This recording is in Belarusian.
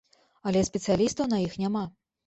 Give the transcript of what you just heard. Але спецыялістаў на іх няма.